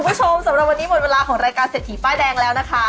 คุณผู้ชมสำหรับวันนี้หมดเวลาของรายการเสร็จหีป้ายแดงแล้วนะคะ